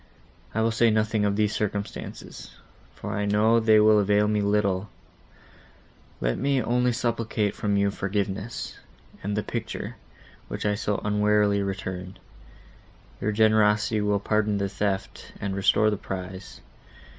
I will say nothing of these circumstances, for I know they will avail me little; let me only supplicate from you forgiveness, and the picture, which I so unwarily returned. Your generosity will pardon the theft, and restore the prize.